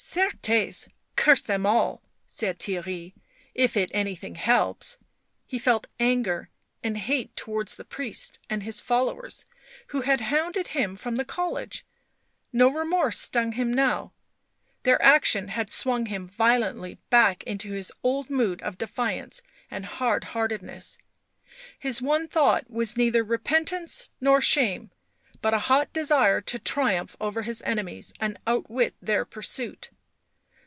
" Certes, curse them all !" said Theirry, "if it any thing helps." He felt anger and hate towards the priest and his followers who had hounded him from the college; no remorse stung him now, their action had swung him violently back into his old mood of defiance and hard heartedness; his one thought was neither repentance nor shame, but a hot desire to triumph over his enemies and outwit their pursuit.